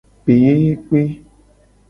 Peyeyekpe.